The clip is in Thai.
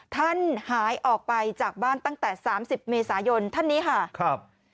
ท่านหายออกไปจากบ้านตั้งแต่๓๐เมษายนท่านนี้ค่ะครับ